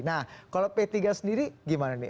nah kalau p tiga sendiri gimana nih